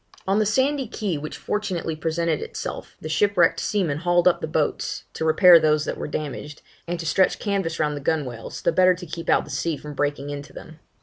On the sandy key which fortunately presented itself, the shipwrecked seamen hauled up the boats, to repair those that were damaged, and to stretch canvas round the gunwales, the better to keep out the sea from breaking into them.